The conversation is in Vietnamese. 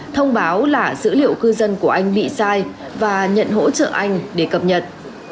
thông báo là dữ liệu cư dân của anh bị sai và nhận hỗ trợ anh để cập nhật